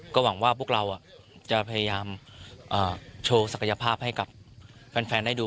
ก็หวังว่าพวกเราจะพยายามโชว์ศักยภาพให้กับแฟนได้ดู